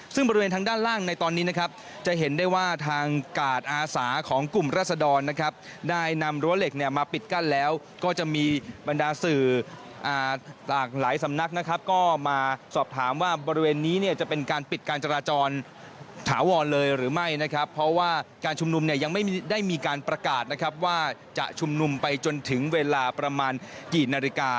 ซึ่งบริเวณทางด้านล่างในตอนนี้นะครับจะเห็นได้ว่าทางกาดอาสาของกลุ่มรัศดรนะครับได้นำรั้วเหล็กเนี่ยมาปิดกั้นแล้วก็จะมีบรรดาสื่อหลากหลายสำนักนะครับก็มาสอบถามว่าบริเวณนี้เนี่ยจะเป็นการปิดการจราจรถาวรเลยหรือไม่นะครับเพราะว่าการชุมนุมเนี่ยยังไม่ได้มีการประกาศนะครับว่าจะชุมนุมไปจนถึงเวลาประมาณกี่นาฬิกา